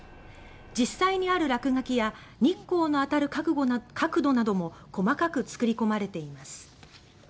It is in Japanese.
実際にある落書きや日光の当たる角度なども細かく作り込まれています。